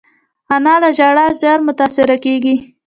انا له ژړا ژر متاثره کېږي